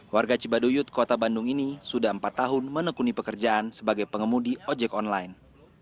warga cibaduyut kota bandung ini sudah empat tahun menekuni pekerjaan sebagai pengemudi ojek online